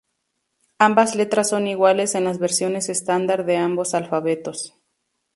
Ambas letras son iguales en las versiones estándar de ambos alfabetos.